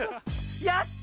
やった。